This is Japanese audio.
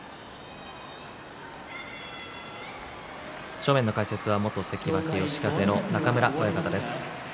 正面の解説は元関脇嘉風の中村親方です。